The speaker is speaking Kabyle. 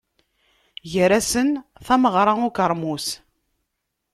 Gar-asen, tameɣra n ukermus.